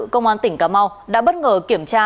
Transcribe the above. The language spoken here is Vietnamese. công an tỉnh cà mau đã bất ngờ kiểm tra